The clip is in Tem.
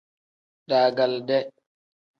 Daagaliide.